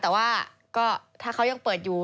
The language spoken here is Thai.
แต่ว่าก็ถ้าเขายังเปิดอยู่